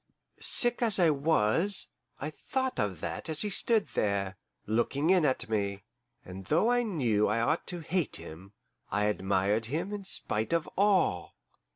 Sick as I was, I thought of that as he stood there, looking in at me; and though I knew I ought to hate him, I admired him in spite of all.